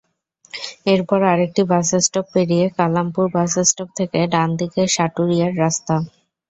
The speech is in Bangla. এরপর আরেকটি বাসস্টপ পেরিয়ে কালামপুর বাসস্টপ থেকে ডান দিকে সাটুরিয়ার রাস্তা।